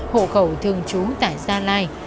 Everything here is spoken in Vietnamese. hộ khẩu thường trú tại gia lai